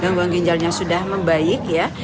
gangguan ginjalnya sudah membaik ya